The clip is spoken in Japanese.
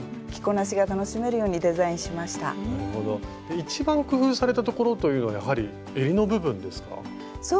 一番工夫されたところというのはやはりえりの部分ですか？